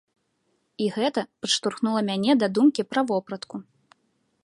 І гэта падштурхнула мяне да думкі пра вопратку.